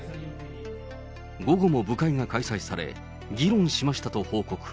午後も部会が開催され、議論しましたと報告。